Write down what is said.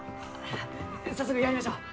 早速やりましょう！